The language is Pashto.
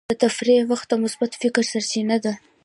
د تفریح وخت د مثبت فکر سرچینه ده.